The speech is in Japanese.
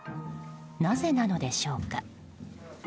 なぜなのでしょうか。